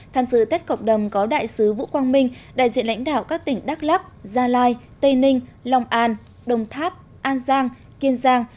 tham dự tết cộng đồng có đại sứ vũ quang minh đại diện lãnh đạo các tỉnh đắk lắc gia lai tây ninh long an đồng tháp an giang kiên giang